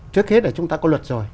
trước hết là chúng ta có luật rồi